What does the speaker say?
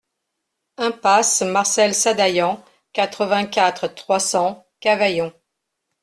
Impasse Marcel Sadaillan, quatre-vingt-quatre, trois cents Cavaillon